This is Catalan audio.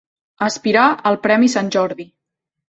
Aspirar al premi Sant Jordi.